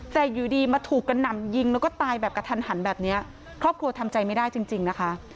แต่อยู่ดีมาถูกกระหน่ำยิงแล้วก็ตายแบบกระทันหันแบบนี้ครอบครัวทำใจไม่ได้จริงจริงนะคะ